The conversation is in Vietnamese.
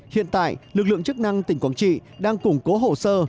hiện tại lực lượng chức năng tỉnh quảng trị đang củng cố hồ sơ